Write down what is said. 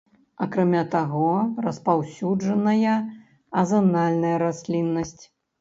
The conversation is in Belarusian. Акрамя таго, распаўсюджаная азанальная расліннасць.